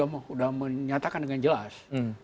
sudah menyatakan dengan jelas